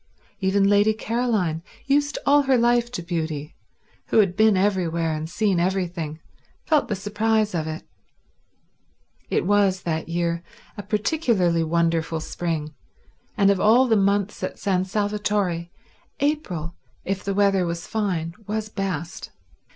Even Lady Caroline, used all her life to beauty, who had been everywhere and seen everything, felt the surprise of it. It was, that year, a particularly wonderful spring, and of all the months at San Salvatore April, if the weather was fine, was best.